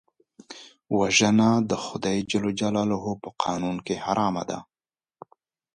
وژنه د خدای په قانون کې حرام ده